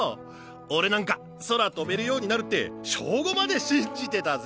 俺なんか空飛べるようになるって小５まで信じてたぜ。